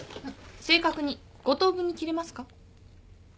正確に５等分に切れますか？